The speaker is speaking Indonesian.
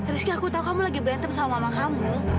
rizky aku tahu kamu lagi berantem sama mama kamu